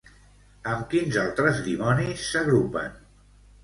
Amb quins altres dimonis s'agrupen?